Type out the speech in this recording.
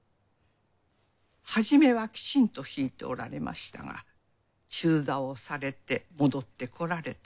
はじめはきちんと弾いておられましたが中座をされて戻ってこられた